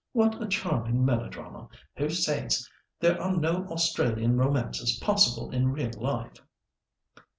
What a charming melodrama! Who says there are no Australian romances possible in real life?"